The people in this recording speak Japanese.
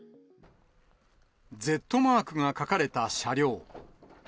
Ｚマークが書かれた車両。